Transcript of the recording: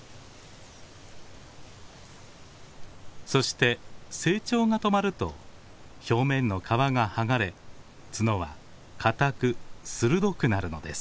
そして成長が止まると表面の皮が剥がれ角は固く鋭くなるのです。